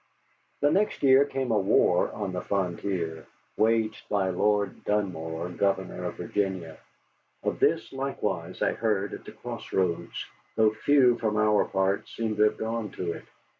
The next year came a war on the Frontier, waged by Lord Dunmore, Governor of Virginia. Of this likewise I heard at the Cross Roads, though few from our part seemed to have gone to it.